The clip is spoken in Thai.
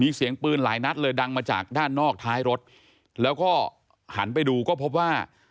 มีเสียงปืนหลายนัดเลยดังมาจากด้านนอกท้ายรถแล้วก็หันไปดูก็พบว่า